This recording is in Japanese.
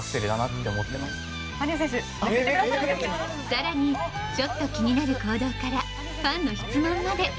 更にちょっと気になる行動からファンの質問まで。